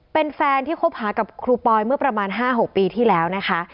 เป็นแฟนที่คบหากับครูปอยเมื่อประมาณ๕๖ปีที่แล้วนะคะ